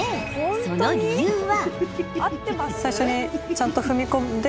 その理由は？